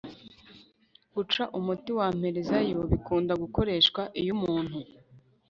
guca umuti wamperezayo bikunda gukoreshwa iyo umuntu